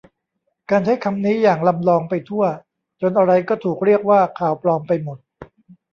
การใช้คำนี้อย่างลำลองไปทั่ว จนอะไรก็ถูกเรียกว่าข่าวปลอมไปหมด